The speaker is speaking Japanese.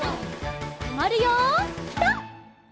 とまるよピタ！